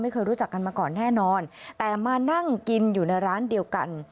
เคยรู้จักกันมาก่อนแน่นอนแต่มานั่งกินอยู่ในร้านเดียวกัน